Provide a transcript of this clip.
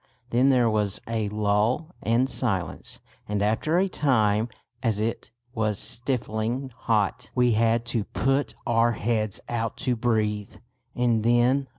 Then there was a lull and silence; and after a time, as it was stifling hot, we had to put our heads out to breathe, and then